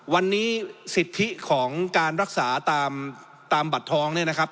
วันนี้สิทธิของการรักษาตามบัตรท้องเนี่ยนะครับ